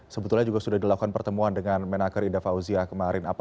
sebetulnya juga sudah dilakukan pertemuan dengan menaker ida fauzia kemarin